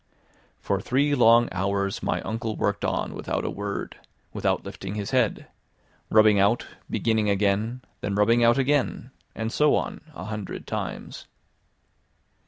For three long hours my uncle worked on without a word, without lifting his head; rubbing out, beginning again, then rubbing out again, and so on a hundred times.